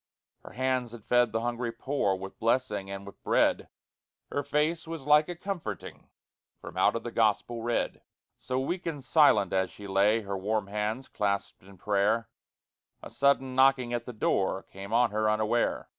Her hands had fed the hungry poor With blessing and with bread; Her face was like a comforting From out the Gospel read. So weak and silent as she lay, Her warm hands clasped in prayer, A sudden knocking at the door Came on her unaware.